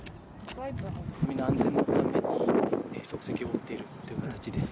住民の安全のために、足跡を追っているという形です。